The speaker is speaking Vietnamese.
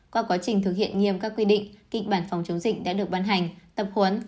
qua quá trình thực hiện nghiêm các quy định kịch bản phòng chống dịch đã được ban hành tập huấn